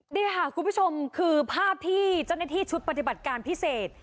นี่ค่ะคุณผู้ชมคือภาพที่เจ้าหน้าที่ชุดปฏิบัติการพิเศษ